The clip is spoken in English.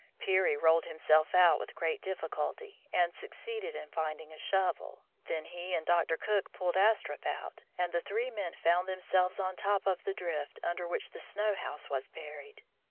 Peary rolled himself out with great difficulty, and suc ceeded in finding a shovel. Then he and Dr. Cook pulled Astrup out, and the three men found themselves on top of the drift under which the snow house was buried.